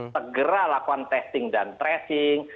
segera lakukan testing dan tracing